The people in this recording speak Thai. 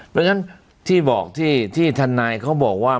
เพราะฉะนั้นที่บอกที่ทนายเขาบอกว่า